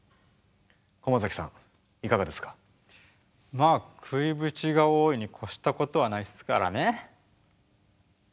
まあ食いぶちが多いに越したことはないっすからね。